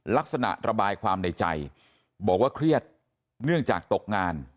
ระบายความในใจบอกว่าเครียดเนื่องจากตกงาน